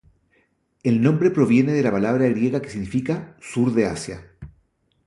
El nombre proviene de la palabra griega que significa 'Sur de Asia'.